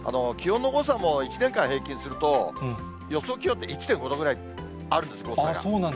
気温の誤差も１年間平均すると、予想気温って、１．５度ぐらいあるんです、誤差が。